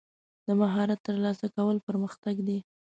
د مهارت ترلاسه کول پرمختګ دی.